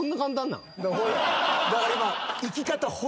だから今。